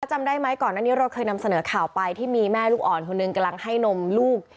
จำได้ไหมก่อนหน้านี้เราเคยนำเสนอข่าวไปที่มีแม่ลูกอ่อนคนหนึ่งกำลังให้นมลูก